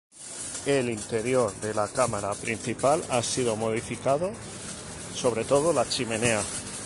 El interior de la cámara principal ha sido modificado, sobre todo la chimenea.